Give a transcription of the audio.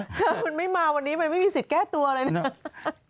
ถ้าคุณไม่มาวันนี้มันไม่มีสิทธิ์แก้ตัวเลยนะ